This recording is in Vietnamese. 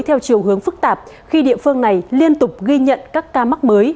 theo chiều hướng phức tạp khi địa phương này liên tục ghi nhận các ca mắc mới